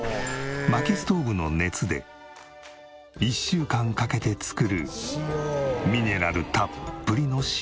薪ストーブの熱で１週間かけて作るミネラルたっぷりの塩。